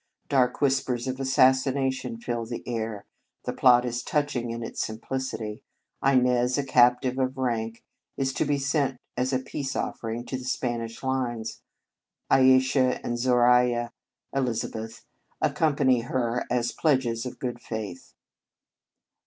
Dark whispers of assassination fill the air. The plot is touching in its simplicity. Inez, a captive of rank, is to be sent as a peace offering to the Spanish lines. Ayesha and Zoraiya (Elizabeth) accompany her as pledges of good faith.